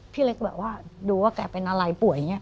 พี่เล็กแบบว่าดูว่าแกเป็นอะไรป่วยอย่างนี้